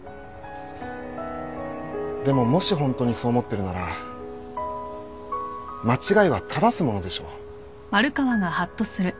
でももしホントにそう思ってるなら間違いは正すものでしょう。